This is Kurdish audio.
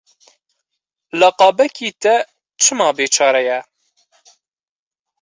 Laqabekî te çima bêçare ye?